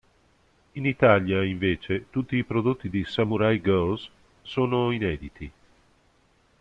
In Italia, invece, tutti i prodotti di "Samurai Girls" sono inediti.